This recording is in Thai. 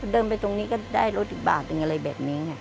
เดินไปตรงนี้ก็ได้รถอีกบาทหนึ่งอะไรแบบนี้ไง